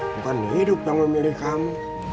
bukan hidup yang memilih kami